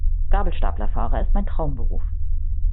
Gabelstaplerfahrer ist mein Traumberuf.